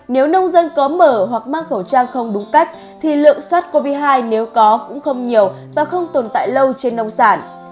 nếu nông dân có mở hoặc mang khẩu trang không đúng cách thì lượng sars cov hai nếu có cũng không nhiều và không tồn tại lâu trên nông sản